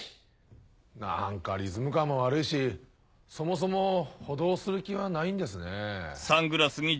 何かリズム感も悪いしそもそも補導する気はないんですね。